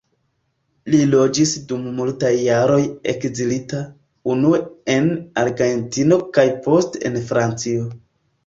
Li loĝis dum multaj jaroj ekzilita, unue en Argentino kaj poste en Francio.